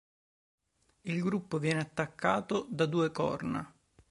Il gruppo viene attaccato da Due-Corna.